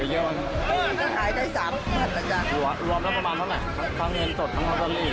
เงินสดแสงจัง